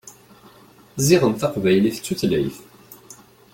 Ziɣen taqbaylit d tutlayt.